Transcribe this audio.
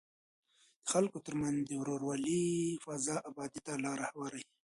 د خلکو ترمنځ د ورورولۍ فضا ابادۍ ته لاره هواروي.